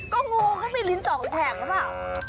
ก็งูก็มีลิ้น๒แฉกแล้วแหละ